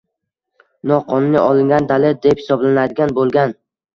noqonuniy olingan dalil deb hisoblanadigan bo‘lgan.